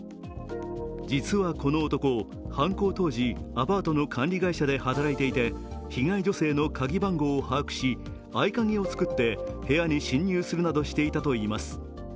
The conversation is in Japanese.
実はこの男、犯行当時アパートの管理会社で働いていて、被害女性の鍵番号を把握し、合鍵を作って部屋に侵入するなどしていたといいます。